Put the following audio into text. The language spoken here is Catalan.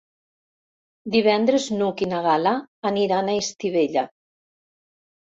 Divendres n'Hug i na Gal·la aniran a Estivella.